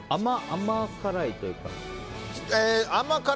甘辛いというか？